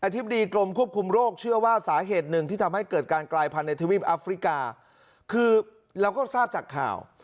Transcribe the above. ธิบดีกรมควบคุมโรคเชื่อว่าสาเหตุหนึ่งที่ทำให้เกิดการกลายพันธุ์ในทวีปอัฟริกาคือเราก็ทราบจากข่าว